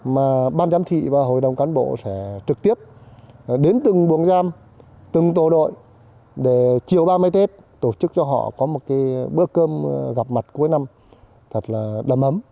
mà ban giám thị và hội đồng cán bộ sẽ trực tiếp đến từng buồng giam từng tổ đội để chiều ba mươi tết tổ chức cho họ có một bữa cơm gặp mặt cuối năm thật là đầm ấm